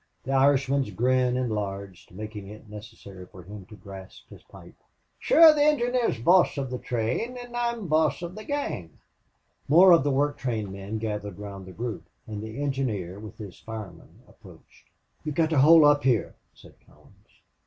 The Irishman's grin enlarged, making it necessary for him to grasp his pipe. "Shure the engineer's boss of the train an' I'm boss of the gang." More of the work train men gathered round the group, and the engineer with his fireman approached. "You've got to hold up here," said Collins.